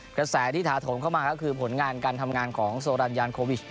กระแสที่ถาโถมเข้ามาก็คือผลงานการทำงานของโซรันยานโควิช